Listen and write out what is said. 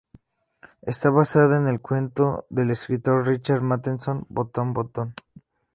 Está basada en el cuento del escritor Richard Matheson "Botón Botón".